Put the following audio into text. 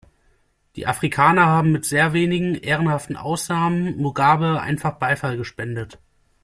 Die Afrikaner haben mit sehr wenigen, ehrenhaften Ausnahmen Mugabe einfach Beifall gespendet.